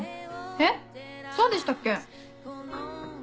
えっそうでしたっけ？